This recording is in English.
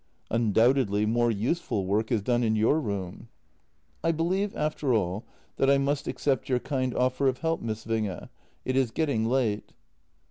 " Undoubtedly more useful work is done in your room." " I believe, after all, that I must accept your kind offer of help, Miss Winge — it is getting late."